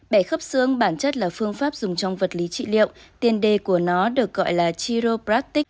bệ khớp xương bản chất là phương pháp dùng trong vật lý trị liệu tiền đề của nó được gọi là chiropratic